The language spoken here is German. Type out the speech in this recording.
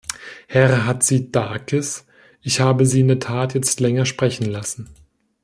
Herr Hatzidakis, ich habe Sie in der Tat jetzt länger sprechen lassen.